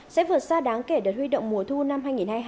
sẽ vượt xa đáng kể đợt huy động mùa thu năm hai nghìn hai mươi hai